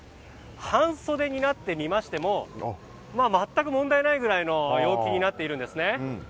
半袖になってみましても全く問題ないぐらいの陽気になっているんです。